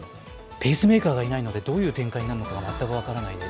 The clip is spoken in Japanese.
ペースメーカーがいないのでどんな展開になるのかが全く予想できないです。